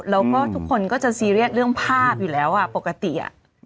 แล้วก็ทุกคนก็จะซีเรียสเรื่องภาพอยู่แล้วปกติอ่ะ